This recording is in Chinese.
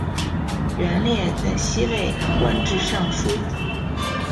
元烈在西魏官至尚书。